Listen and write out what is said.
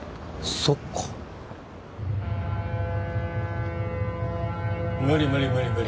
そっか無理無理無理無理